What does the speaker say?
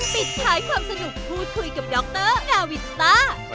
ปิดท้ายความสนุกพูดคุยกับดรนาวินต้า